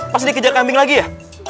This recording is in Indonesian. pas dikejar kambing lagi ya